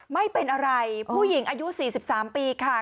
ไม่เป็นอะไรผู้หญิงอายุ๔๓ปีค่ะ